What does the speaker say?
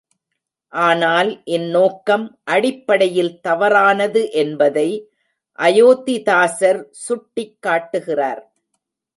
ஆனால் இந்நோக்கம் அடிப்படையில் தவறானது என்பதை அயோத்திதாசர் சுட்டிக் காட்டுகிறார்.